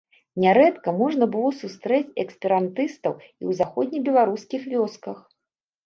Нярэдка можна было сустрэць эсперантыстаў і ў заходнебеларускіх вёсках.